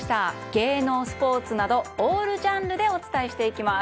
芸能、スポーツなどオールジャンルでお伝えしていきます。